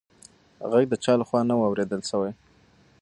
غږ د چا لخوا نه و اورېدل شوې.